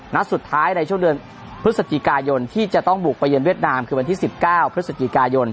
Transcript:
นัดสุดท้ายในช่วงเดือนพฤศจิกายนที่จะต้องบุกไปเยือนเวียดนามคือวันที่๑๙พฤศจิกายน